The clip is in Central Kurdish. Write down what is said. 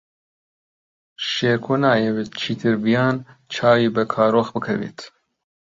شێرکۆ نایەوێت چیتر ڤیان چاوی بە کارۆخ بکەوێت.